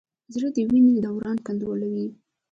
زړه د وینې دوران کنټرولوي.